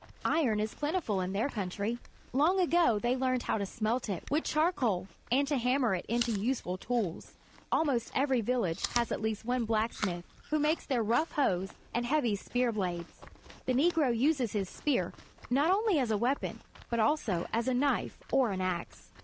Iron is plentiful in their country. Long ago they learned how to smelt it with charcoal and to hammer it into useful tools. Almost every village has at least one black smith, who makes their rough hoes and heavy spear blades. The Negro uses his spear, not only as a weapon, but also as a knife or an axe.